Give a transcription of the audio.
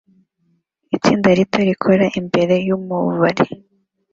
Itsinda rito rikora imbere yumubari